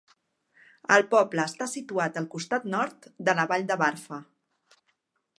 El poble està situat al costat nord de la vall de Wharfe.